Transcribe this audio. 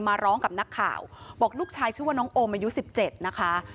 มาร้องกับนักข่าวบอกลูกชายชื่อว่าน้องโอมอายุ๑๗นะคะ